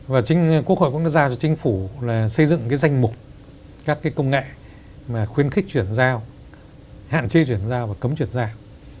và quốc hội cũng đã giao cho chính phủ xây dựng danh mục các công nghệ khuyến khích chuyển giao hạn chế chuyển giao và cấm chuyển giao